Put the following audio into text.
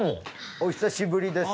お久しぶりです。